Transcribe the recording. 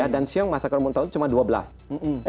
dan siu yang masyarakat umum tahu itu hanya di tahun ke dua belas